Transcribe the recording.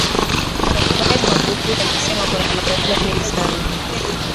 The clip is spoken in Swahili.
raisi magufuli alisema kuna matatizo mengi sana